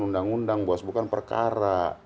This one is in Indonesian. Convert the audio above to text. undang undang bos bukan perkara